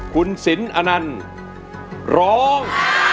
คุณสินอนันต์ร้อง